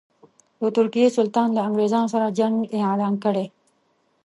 د ترکیې سلطان له انګرېزانو سره جنګ اعلان کړی.